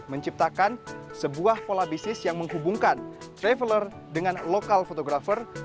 menciptakan sebuah pola bisnis yang menghubungkan traveler dengan lokal fotografer